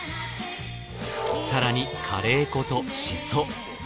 更にカレー粉とシソ。